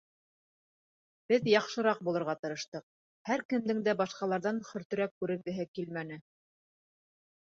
Беҙ яҡшыраҡ булырға тырыштыҡ, бер кемдең дә башҡаларҙан хөртөрәк күренгеһе килмәне.